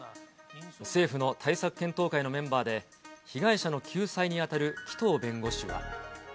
政府の対策検討会のメンバーで、被害者の救済に当たる紀藤弁護士は。